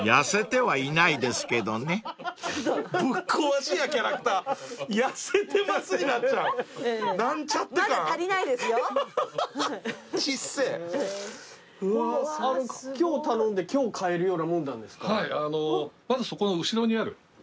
はいあのうまずそこの後ろにある。